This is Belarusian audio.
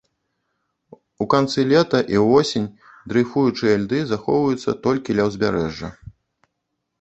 У канцы лета і ўвосень дрэйфуючыя льды захоўваюцца толькі ля ўзбярэжжа.